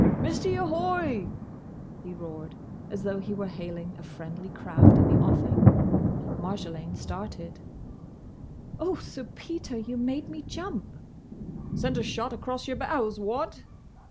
"Missie, ahoy!" he roared, as though he were hailing a friendly craft in the offing. Marjolaine started. "Oh, Sir Peter! You made me jump!" "Sent a shot across your bows—what?"